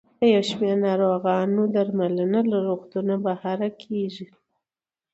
یو شمېر ناروغان له روغتون بهر درملنه کیږي.